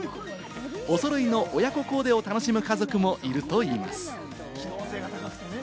お揃いの親子コーデを楽しむ家族もいるといいます。